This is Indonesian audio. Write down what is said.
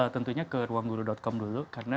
tentunya ke ruangguru com dulu karena